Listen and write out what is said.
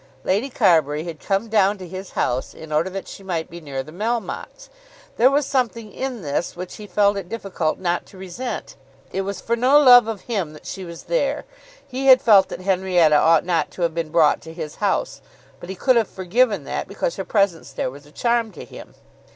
Lady Carbury had come down to his house in order that she might be near the Melmottes! There was something in this which he felt it difficult not to resent. It was for no love of him that she was there. He had felt that Henrietta ought not to have been brought to his house; but he could have forgiven that, because her presence there was a charm to him.